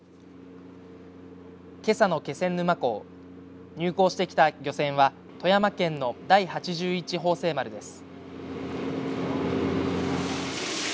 けさの気仙沼港入港してきた漁船は富山県の第八十一豊清丸です。